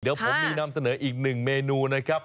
เดี๋ยวผมมีนำเสนออีกหนึ่งเมนูนะครับ